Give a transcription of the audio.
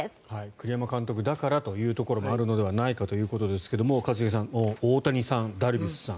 栗山監督だからというところもあるのではないかということですが一茂さん、大谷さんダルビッシュさん